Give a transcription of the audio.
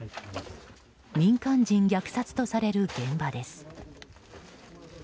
民間人虐殺とされる現場です。